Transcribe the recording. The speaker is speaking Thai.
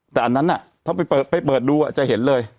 แต่อันนั้นน่ะเขาไปเปิดดูอ่ะจะเห็นเลย